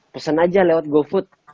pesan aja lewat gofood